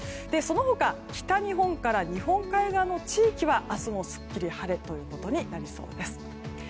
その他北日本から日本海側の地域は明日もすっきり晴れということになりそうです。